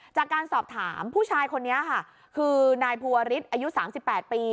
จากการสอบถามผู้ชายคนนี้ค่ะคือนายภูวริสอายุ๓๘ปี